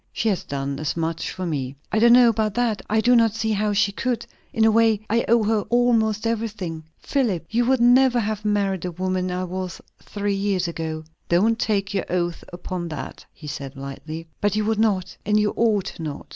"She has done as much for me." "I don't know about that. I do not see how she could. In a way, I owe her almost everything. Philip, you would never have married the woman I was three years ago." "Don't take your oath upon that," he said lightly. "But you would not, and you ought not."